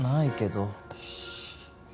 よし！